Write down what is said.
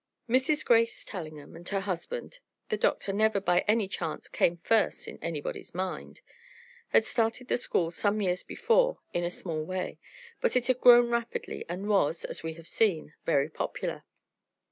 Mrs. Grace Tellingham and her husband (the Doctor never by any chance came first in anybody's mind!) had started the school some years before in a small way; but it had grown rapidly and was, as we have seen, very popular.